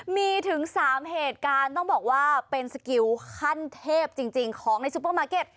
มีถึง๓เหตุการณ์ต้องบอกว่าเป็นสกิลขั้นเทพจริงของในซูเปอร์มาร์เก็ต